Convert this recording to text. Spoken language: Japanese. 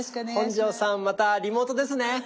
本上さんまたリモートですね？